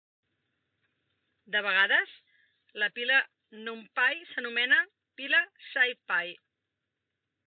De vegades, la pila NumPy s'anomena "pila SciPy".